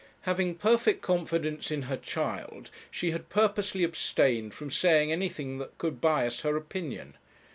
Having perfect confidence in her child, she had purposely abstained from saying anything that could bias her opinion.